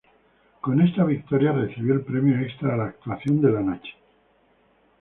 Con esta victoria, recibió el premio extra a la "Actuación de la Noche".